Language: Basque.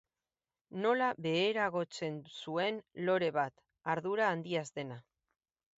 Nola beheragotzen zuen lore bat, ardura handiaz dena.